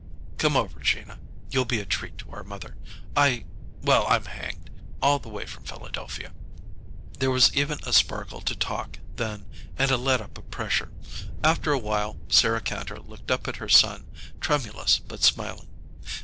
"Come over, Gina. You'll be a treat to our mother. I Well, I'm hanged! All the way from Philadelphia!" There was even a sparkle to talk, then, and a letup of pressure. After a while Sarah Kantor looked up at her son, tremulous, but smiling.